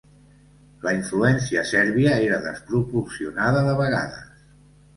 La influència sèrbia era desproporcionada de vegades.